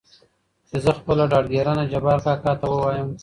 چې زه خپله ډاډګرنه جبار کاکا ته ووايم .